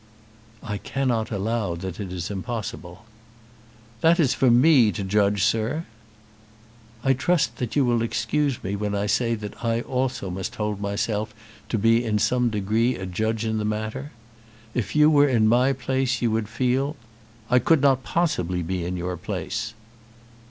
"I cannot allow that it is impossible." "That is for me to judge, sir." "I trust that you will excuse me when I say that I also must hold myself to be in some degree a judge in the matter. If you were in my place, you would feel " "I could not possibly be in your place."